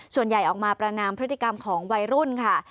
ส่วนใหญ่ออกมาประนามพฤติกรรมของวัยรุ่นค่ะ